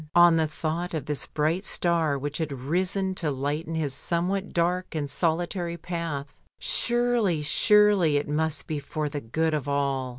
1 59 on the thought of this bright star which had risen to lighten his somewhat dark and solitary path. Surely, surely, it must be for the good of all.